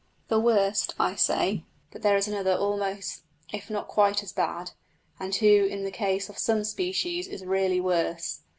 The "worst," I say; but there is another almost if not quite as bad, and who in the case of some species is really worse.